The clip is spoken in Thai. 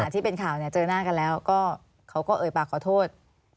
ที่เป็นข่าวเจอหน้ากันแล้วก็เขาก็เอ่ยปากขอโทษ